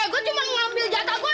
eh gue cuma mau ambil jatah gue eh